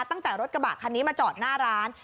ตั้งแต่รถกระบะคันนี้มาจอดหน้าร้าน